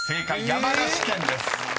「山梨県」です］